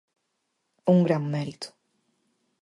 Un gran mérito.